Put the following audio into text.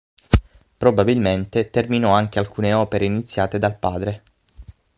Probabilmente terminò anche alcune opere iniziate dal padre.